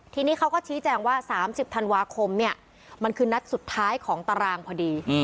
ทีนี้เขาก็ชี้แจงว่า๓๐ธันวาคมเนี่ยมันคือนัดสุดท้ายของตารางพอดี